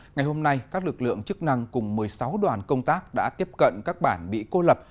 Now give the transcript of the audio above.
ngày hôm nay các lực lượng chức năng cùng một mươi sáu đoàn công tác đã tiếp cận các bản bị cô lập